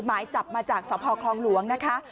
หมายจับมาจากสพคลองหลวงนะคะ